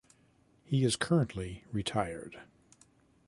He is currently retired.